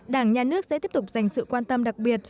đảng nhà nước sẽ tiếp tục dành sự quan tâm đặc biệt